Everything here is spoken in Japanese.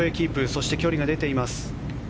そして、距離が出ています。